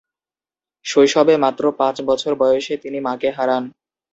শৈশবে মাত্র পাঁচ বছর বয়সে তিনি মাকে হারান।